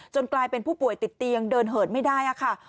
กลายเป็นผู้ป่วยติดเตียงเดินเหินไม่ได้ค่ะ